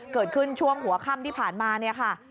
เกิดขึ้นช่วงหัวค่ำที่ผ่านมาเนี่ยค่ะ